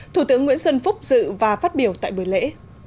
thủ tướng nguyễn xuân phúc dự và phát biểu tại buổi lễ